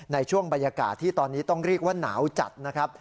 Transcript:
ในช่วงบรรยากาศที่ตอนนี้ต้องเรียกว่าหนาวจัดนะครับ